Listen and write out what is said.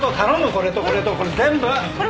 これとこれとこれ全部！